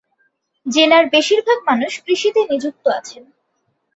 জেলার বেশিরভাগ মানুষ কৃষিতে নিযুক্ত আছেন।